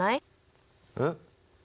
えっ！？